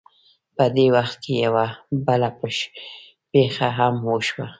په دې وخت کې یوه بله پېښه هم وشوه.